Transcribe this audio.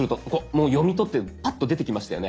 もう読み取ってパッと出てきましたよね。